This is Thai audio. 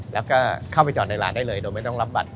แล้วก็เข้าไปจอดในร้านได้เลยโดยไม่ต้องรับบัตร